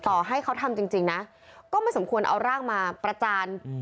ต่อให้เขาทำจริงนะก็ไม่สมควรเอาร่างมาประจาน